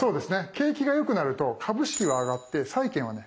景気が良くなると株式は上がって債券はね